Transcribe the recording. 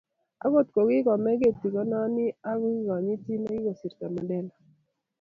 akot kokakome kotikenoni ak kekonyiti nekikosirto, Mandela